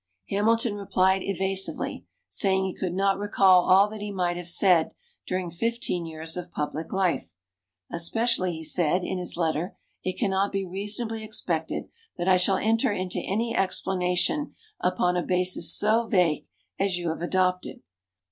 Hamilton replied evasively, saying he could not recall all that he might have said during fifteen years of public life. "Especially," he said in his letter, "it can not be reasonably expected that I shall enter into any explanation upon a basis so vague as you have adopted.